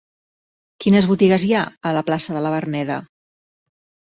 Quines botigues hi ha a la plaça de la Verneda?